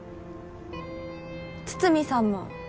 筒見さんも。